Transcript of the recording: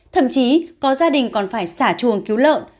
thậm chí có gia đình còn phải xả chuồng cứu lợn